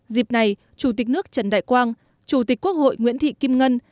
dịp này chủ tịch nước trần đại quang chủ tịch quốc hội nguyễn thị kim ngân